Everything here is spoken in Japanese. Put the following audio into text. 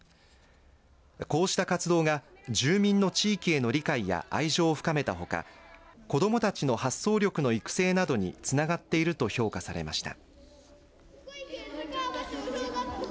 こうした活動が住民の地域への理解や愛情を深めたほか子どもたちの発想力の育成などにつながっていると評価されました。